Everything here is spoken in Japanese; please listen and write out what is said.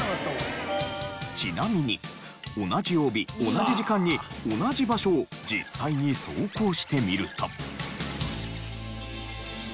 ちなみに同じ曜日同じ時間に同じ場所を実際に走行してみると。